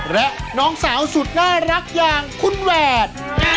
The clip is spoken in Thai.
และน้องสาวสุดน่ารักอย่างคุณแหวด